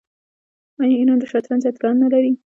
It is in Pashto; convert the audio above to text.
آیا ایران د شطرنج اتلان نلري؟